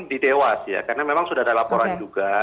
di dewas ya karena memang sudah ada laporan juga